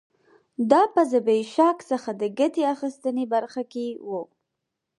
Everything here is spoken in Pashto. دا په زبېښاک څخه د ګټې اخیستنې برخه کې و